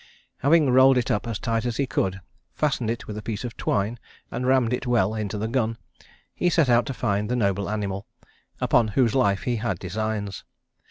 Having rolled it up as tight as he could, fastened it with a piece of twine, and rammed it well into the gun, he set out to find the noble animal upon whose life he had designs.